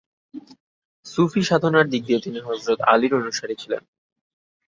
সুফি সাধনার দিক দিয়ে তিনি হযরত আলীর অনুসারী ছিলেন।